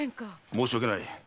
申し訳ない。